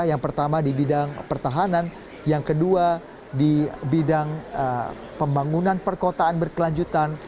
yang pertama di bidang pertahanan yang kedua di bidang pembangunan perkotaan berkelanjutan